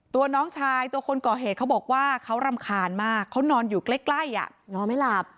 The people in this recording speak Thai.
น้องชายตัวคนก่อเหตุเขาบอกว่าเขารำคาญมากเขานอนอยู่ใกล้นอนไม่หลับ